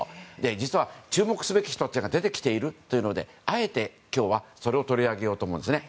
実は注目すべき人たちが出てきているというのであえて今日はそれを取り上げようと思うんですね。